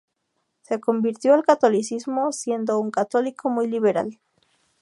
Se convirtió al catolicismo siendo un católico muy liberal.